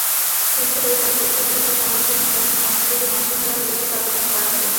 শিগগিরই তাঁর পৈতৃক ভিটা সংরক্ষণের জন্য সংস্কৃতি মন্ত্রণালয়ে লিখিত আবেদন করা হবে।